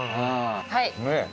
はい。